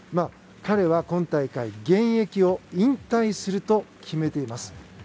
彼は今大会現役を引退すると決めています。